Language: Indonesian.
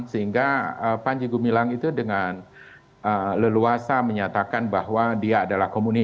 sehingga panji gumilang itu dengan leluasa menyatakan bahwa dia adalah komunis